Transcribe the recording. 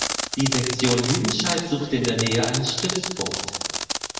Die Sektion Lüdenscheid suchte in der Nähe einen Stützpunkt.